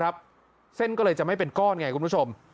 อันนั้นก็จะไม่เป็นก้อนไงคุณผู้ชม